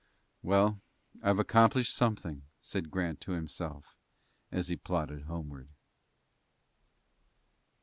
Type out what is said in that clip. "Well, I've accomplished something," said Grant to himself as he plodded homeward.